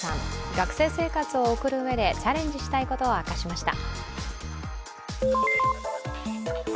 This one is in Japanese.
学生生活を送るうえでチャレンジしたいことを明かしました。